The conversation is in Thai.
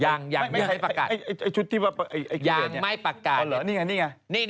ยังยังไม่ได้ประกัด